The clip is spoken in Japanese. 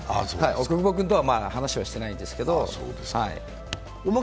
小久保君とは話をしてないんですけれども。